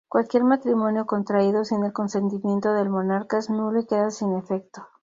Cualquier matrimonio contraído sin el consentimiento del monarca es nulo y queda sin efecto.